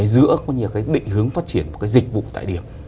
giữa định hướng phát triển một cái dịch vụ tại điểm